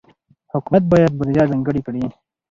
حکومت باید بودجه ځانګړې کړي.